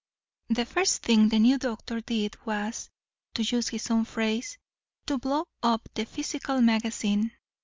The first thing the new doctor did was (to use his own phrase) to blow up the physical magazine.